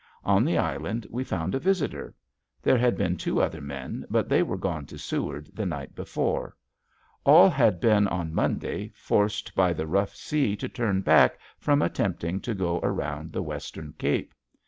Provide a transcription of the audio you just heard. On the island we found a visitor. There had been two other men but they were gone to Seward the night before. All had been on Monday forced by the rough sea to turn back from attempting to go around the westward cape.